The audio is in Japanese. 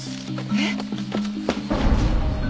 えっ！？